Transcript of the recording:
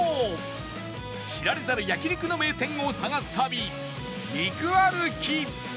知られざる焼肉の名店を探す旅肉歩き